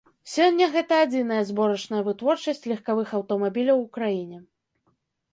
Сёння гэта адзіная зборачная вытворчасць легкавых аўтамабіляў у краіне.